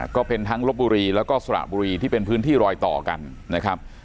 ก็เป็นทั้งลบบุรีแล้วก็สระบุรีที่เป็นพื้นที่รอยต่อกันนะครับ